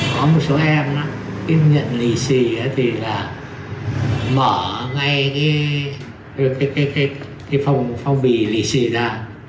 có một số em á cái nhận lì xì thì là mở ngay cái phong bì lì xì ra